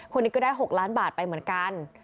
คนนี้ก็ได้๖ล้านบาทไปเหมือนกัน